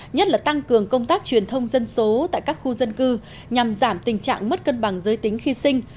nhất là tăng cường công tác truyền thông dân số tại các khu dân cư nhằm giảm tình trạng mất cân bằng giới tính khi sinh